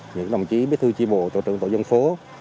những đồng chí bế thư chi bộ tổ trưởng tổ dân phố